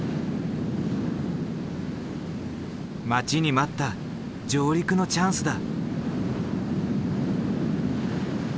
待ちに待った上陸のチャンスだ。